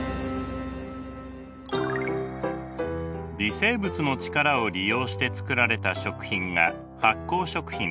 微生物の力を利用して作られた食品が発酵食品です。